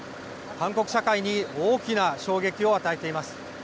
韓国社会に大きな衝撃を与えています。